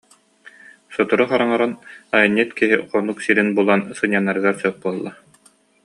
Сотору хараҥаран, айанньыт киһи хонук сирин булан, сынньанарыгар сөп буолла